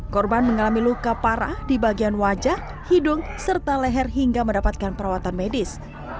korban mengalami luka parah di bagian wajah hidung serta leher hingga mendapatkan perawatan medis